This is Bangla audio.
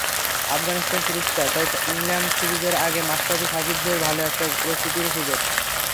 আফগানিস্তান সিরিজটা তাই ইংল্যান্ড সিরিজের আগে মাশরাফি-সাকিবদের ভালো একটা প্রস্তুতিরও সুযোগ।